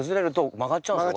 曲がっちゃうんですよ